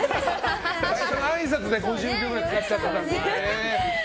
最初のあいさつで５０秒ぐらい使ってましたからね。